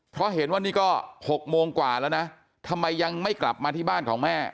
เพราะเห็นว่านี่ก็๖โมงกว่าแล้วนะทำไมยังไม่กลับมาที่บ้านของแม่